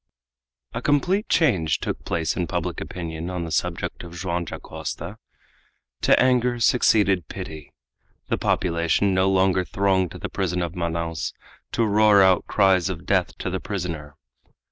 A complete change took place in public opinion on the subject of Joam Dacosta. To anger succeeded pity. The population no longer thronged to the prison of Manaos to roar out cries of death to the prisoner.